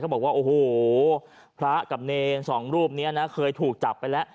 บอกว่าโอ้โหพระกับเนรสองรูปนี้นะเคยถูกจับไปแล้ว